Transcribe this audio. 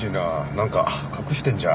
なんか隠してるんじゃ。